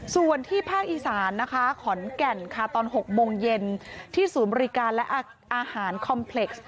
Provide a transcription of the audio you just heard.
ส่วนที่ภาคอีสานนะคะขอนแก่นค่ะตอน๖โมงเย็นที่ศูนย์บริการและอาหารคอมเพล็กซ์